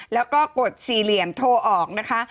แล้วก็กดสี่เหลี่ยมโทรออกนะคะ